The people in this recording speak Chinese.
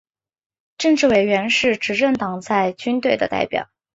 政治委员是执政党在军队的代表。